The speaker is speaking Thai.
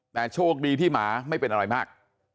แต่โชคดีที่หมาไม่เป็นอะไรมาก